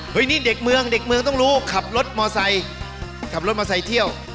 เฮ้ยนี่เด็กเมืองเด็กเมืองต้องรู้ขับรถมอเซย์เที่ยว